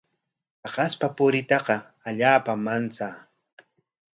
Paqaspa puriytaqa allaapam manchaa.